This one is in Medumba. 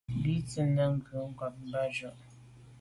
Bín tsín nə̀ ngə́ kwâ’ mbâdə́ cú.